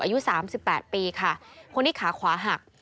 อายุ๓๘ปีค่ะคนที่ขาขวาหัก